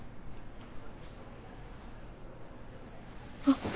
あっ。